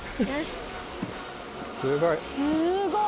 すごい！